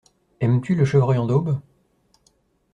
Aimes-tu le chevreuil en daube?